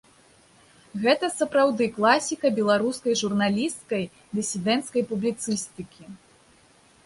Гэта сапраўды класіка беларускай журналісцкай, дысідэнцкай публіцыстыкі.